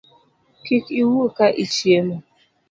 Kik iwuo ka ichiemo